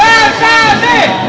ayo bu terus bu